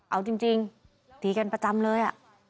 เอาจริงตีกันประจำเลย